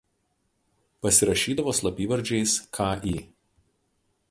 Pasirašydavo slapyvardžiais Kl.